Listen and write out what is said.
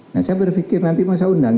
nah saya berpikir nanti mau saya undang